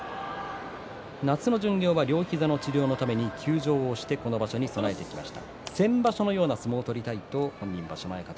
夏の巡業は両膝の治療のため休場をしてこの場所に備えてきました。